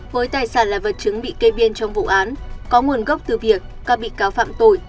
với tài sản là vật chứng bị kê biên trong vụ án có nguồn gốc từ việc các bị cáo phạm tội